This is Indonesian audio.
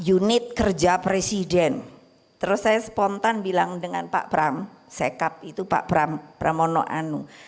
unit kerja presiden terus saya spontan bilang dengan pak pram sekap itu pak pramono anung